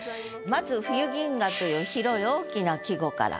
まず「冬銀河」という広い大きな季語から。